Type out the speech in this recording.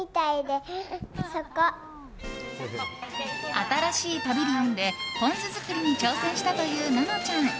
新しいパビリオンでポン酢作りに挑戦したというののちゃん。